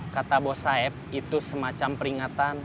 kata bos said itu semacam peringatan